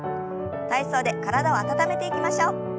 体操で体を温めていきましょう。